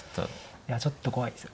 いやちょっと怖いですよ